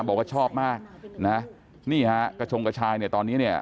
บอกว่าชอบมากนะนี่ฮะกระชงกระชายเนี่ยตอนนี้เนี่ย